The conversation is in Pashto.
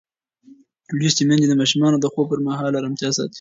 لوستې میندې د ماشومانو د خوب پر مهال ارامتیا ساتي.